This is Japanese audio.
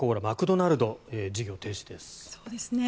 マクドナルドが事業停止です。